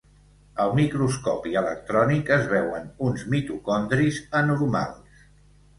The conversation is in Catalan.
Al microscopi electrònic es veuen uns mitocondris anormals.